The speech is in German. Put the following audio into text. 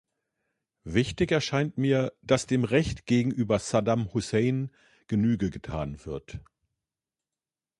Wichtig erscheint mir, dass dem Recht gegenüber Saddam Hussein Genüge getan wird.